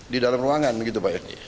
di dalam ruangan begitu pak ya